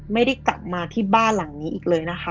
ไม่ได้กลับมาที่บ้านหลังนี้อีกเลยนะคะ